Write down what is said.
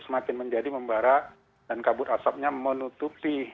semakin menjadi membara dan kabut asapnya menutupi